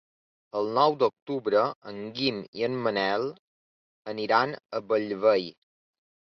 El nou d'octubre en Guim i en Manel aniran a Bellvei.